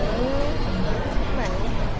ก็เหมือน